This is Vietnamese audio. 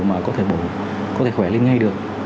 mà có thể khỏe lên ngay được